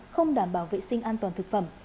không đảm bảo vệ sinh an toàn thực phẩm